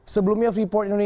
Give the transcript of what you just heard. sebelumnya freeport indonesia